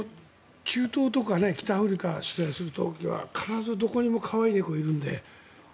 中東とか北アフリカを取材する時は必ずどこにでも可愛い猫がいるんで。